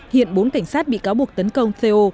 hiện bốn cảnh sát bị cáo buộc tấn công co